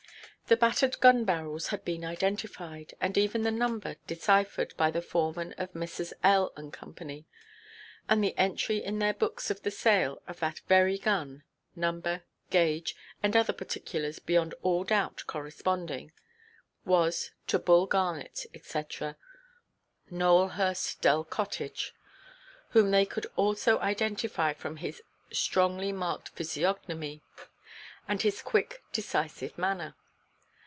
The battered gun–barrels had been identified, and even the number deciphered, by the foreman of Messrs. L—— and Co. And the entry in their books of the sale of that very gun (number, gauge, and other particulars beyond all doubt corresponding) was—"to Bull Garnet, &c., Nowelhurst Dell Cottage," whom also they could identify from his "strongly–marked physiognomy," and his quick, decisive manner.